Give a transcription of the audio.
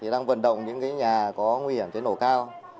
đang vận động những nhà có nguy hiểm cháy nổ cao